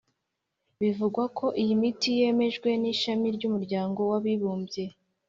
Bivugwa ko iyi miti yemejwe n'ishami ry'umuryango w'abibumbye